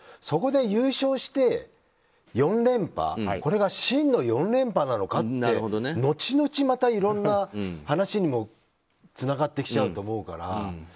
そこで優勝して、４連覇これが真の４連覇なのかって後々またいろんな話にもつながってきちゃうと思うから。